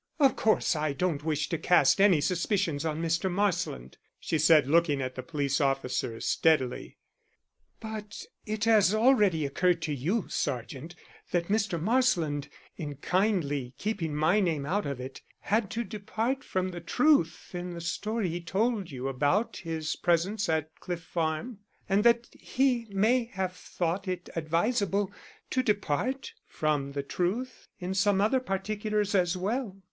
"Of course I don't wish to cast any suspicions on Mr. Marsland," she said looking at the police officer steadily. "But it has already occurred to you, Sergeant, that Mr. Marsland, in kindly keeping my name out of it, had to depart from the truth in the story he told you about his presence at Cliff Farm, and that he may have thought it advisable to depart from the truth in some other particulars as well."